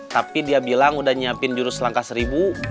tapi dia bilang udah nyiapin jurus langkah seribu